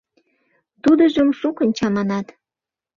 Тудыжым шукын чаманат.